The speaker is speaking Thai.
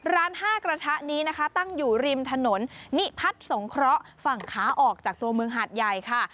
ห้ากระทะนี้นะคะตั้งอยู่ริมถนนนิพัฒน์สงเคราะห์ฝั่งขาออกจากตัวเมืองหาดใหญ่ค่ะ